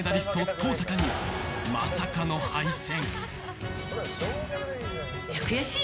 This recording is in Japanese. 登坂にまさかの敗戦。